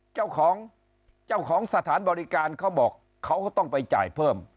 เจ้าของเจ้าของสถานบริการเขาบอกเขาก็ต้องไปจ่ายเพิ่ม